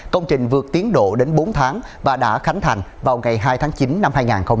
công trình vượt tiến độ đến bốn tháng và đã khánh thành vào ngày hai tháng chín năm hai nghìn hai mươi